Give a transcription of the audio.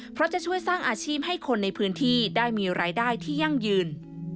เพราะจะช่วยสร้างอาชีพให้คนในพื้นที่ได้มีรายได้ที่ยั่งยืน